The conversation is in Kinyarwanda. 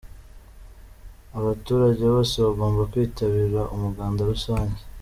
Abaturage bose bagomba kwitabira umuganda rusange.